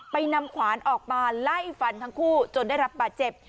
นำขวานออกมาไล่ฟันทั้งคู่จนได้รับบาดเจ็บ